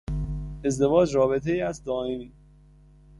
ازدواج رابطهای است دائمی.